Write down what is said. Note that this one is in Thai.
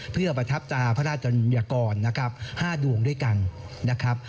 เพื่อประทับตาพระราชญากรห้าดวงด้วยกันนะครับ